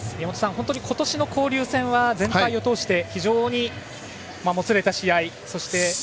本当に今年の交流戦は全体を通して非常にもつれた試合が。